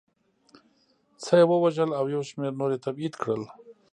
څه یې ووژل او یو شمېر نور یې تبعید کړل